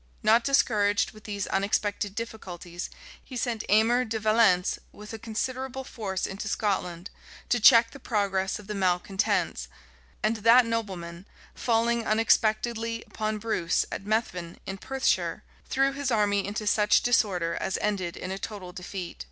Not discouraged with these unexpected difficulties, he sent Aymer de Valence with a considerable force into Scotland, to check the progress of the malecontents; and that nobleman, falling unexpectedly upon Bruce, at Methven, in Perthshire, threw his army into such disorder as ended in a total defeat.